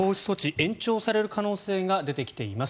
延長される可能性が出てきています。